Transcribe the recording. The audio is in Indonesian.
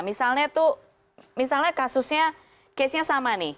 misalnya tuh misalnya kasusnya case nya sama nih